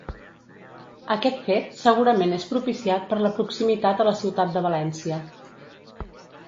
Aquest fet segurament és propiciat per la proximitat a la ciutat de València.